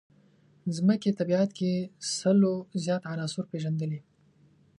ځمکې طبیعت کې سلو زیات عناصر پېژندلي.